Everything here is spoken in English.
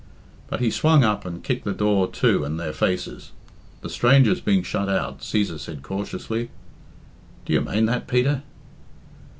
But he swung up and kicked the door to in their faces. The strangers being shut out, Cæsar said cautiously "Do you mane that, Peter?"